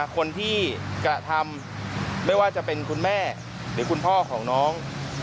คนที่กระทำไม่ว่าจะเป็นคุณแม่หรือคุณพ่อของน้อง